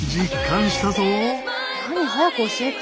何早く教えて。